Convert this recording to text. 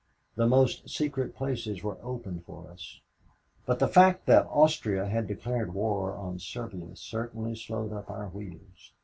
The most secret places were opened for us. But the fact that Austria had declared war on Serbia certainly slowed up our wheels.